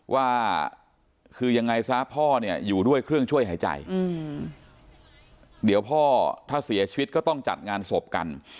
ว่าคือยังไงซะพ่อเนี่ยอยู่ด้วยเครื่องช่วยหายใจเดี๋ยวพ่อถ้าเสียชีวิตก็ต้องจัดงานศพกัน